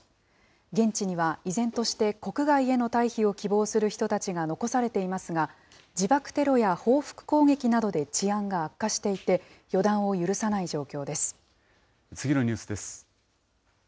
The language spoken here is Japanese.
現地には依然として国外への退避を希望する人たちが残されていますが、自爆テロや報復攻撃などで治安が悪化していて、次のニュースです。